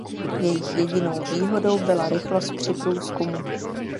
Jejich jedinou výhodou byla rychlost při průzkumu.